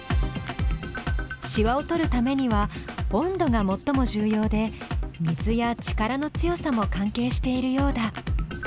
しわを取るためには温度が最も重要で水や力の強さも関係しているようだ。